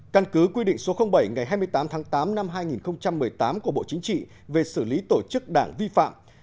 căn cứ quy định số bảy ngày hai mươi tám tháng tám năm hai nghìn một mươi tám của bộ chính trị về xử lý tổ chức đảng vi phạm